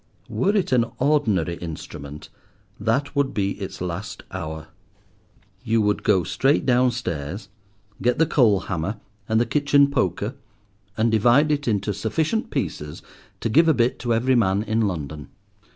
Were it an ordinary instrument, that would be its last hour. You would go straight down stairs, get the coal hammer and the kitchen poker, and divide it into sufficient pieces to give a bit to every man in London.